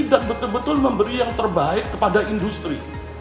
dan betul betul memberi yang terbaik kepada industri